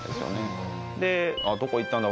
でどこ行ったんだ？